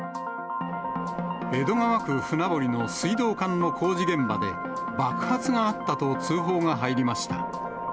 江戸川区船堀の水道管の工事現場で、爆発があったと通報が入りました。